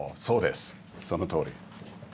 そのとおり。